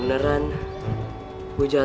ancar dari mahasiswa